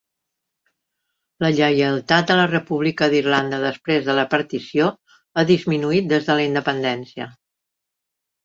La lleialtat a la República d'Irlanda després de la partició ha disminuït des de la independència.